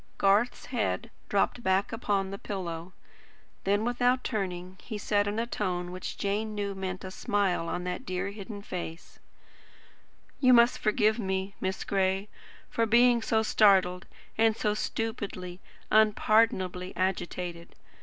Garth's head dropped back upon the pillow. Then without turning he said in a tone which Jane knew meant a smile on that dear hidden face: "You must forgive me, Miss Gray, for being so startled and so stupidly, unpardonably agitated.